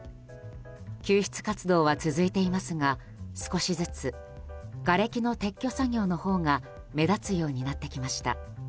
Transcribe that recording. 救出活動は続いていますが少しずつがれきの撤去作業のほうが目立つにようになってきました。